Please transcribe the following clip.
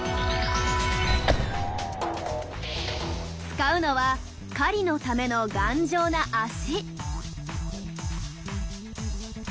使うのは狩りのための頑丈な脚。